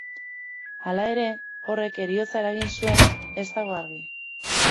Hala ere, horrek heriotza eragin zuen ez dago argi.